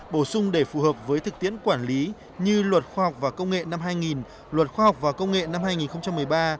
bổ sung để phù hợp với thực tiễn quản lý như luật khoa học và công nghệ năm hai nghìn luật khoa học và công nghệ năm hai nghìn một mươi ba